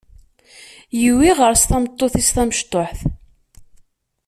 Yiwi ɣer-s tameṭṭut-is tamecṭuḥt.